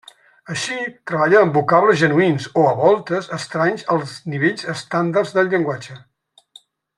Així, treballa amb vocables genuïns o, a voltes, estranys als nivells estàndards del llenguatge.